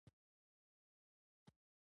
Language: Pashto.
جان سي ماکسویل وایي بریا په ورځنیو چارو کې ده.